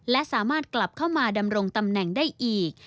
และสามารถกลับเข้ามาดำรงตำแหน่งได้อีก